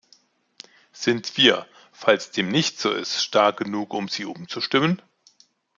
Sind wir, falls dem nicht so ist, stark genug, um sie umzustimmen?